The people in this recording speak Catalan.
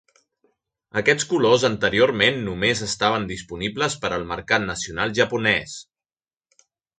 Aquests colors anteriorment només estaven disponibles per al mercat nacional japonès.